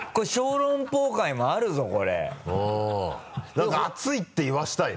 何か「熱い」って言わせたいね。